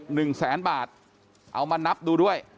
หนึ่งแสนบาทเอามานับดูด้วย